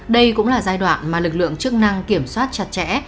đây cũng là giai đoạn mà lực lượng chức năng kiểm soát chặt chẽ